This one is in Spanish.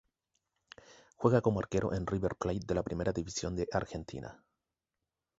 Juega como arquero en River Plate de la Primera División de Argentina.